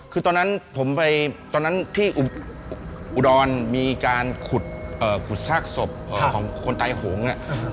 คือตอนนั้นผมไปตอนนั้นที่อุดรมีการขุดซากศพของคนตายโหง